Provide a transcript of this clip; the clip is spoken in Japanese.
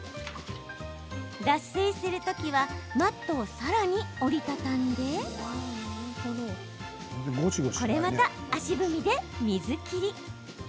脱水するときはマットをさらに折り畳んでこれまた、足踏みで水切り。